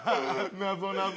なぞなぞ。